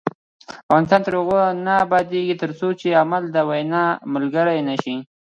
افغانستان تر هغو نه ابادیږي، ترڅو عمل د وینا ملګری نشي.